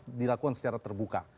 maka munas dilakukan secara terbuka